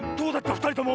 ふたりとも。